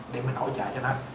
để mình hỗ trợ cho nó